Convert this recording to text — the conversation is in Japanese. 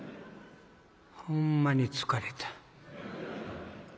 ほんまに疲れた。